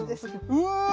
うわ！